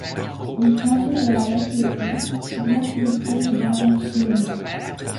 Il s'agit de la lettre Q diacritée d'un tilde.